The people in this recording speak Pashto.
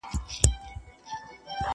ستنيدل به په بېغمه زړه تر کوره!.